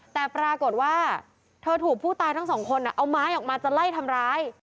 แต่ปรากฏว่าเธอถูกผู้ตายทั้งสองคนเอาไม้ออกมาจะไล่ทำร้าย